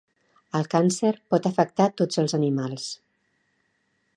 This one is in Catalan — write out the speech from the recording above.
El càncer pot afectar tots els animals.